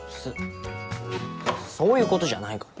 そういうことじゃないから。